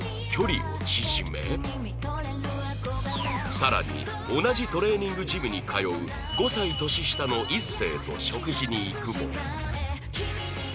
更に同じトレーニングジムに通う５歳年下の一世と食事に行くも